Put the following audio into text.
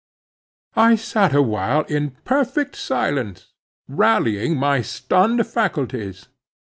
I sat awhile in perfect silence, rallying my stunned faculties.